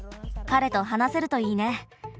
彼と話せるといいね。